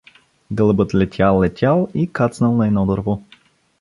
Гълъбът летял, летял и кацнал на едно дърво.